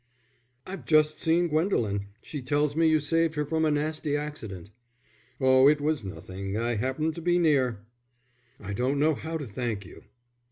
"I've just seen Gwendolen. She tells me you saved her from a nasty accident." "Oh, it was nothing. I happened to be near." "I don't know how to thank you."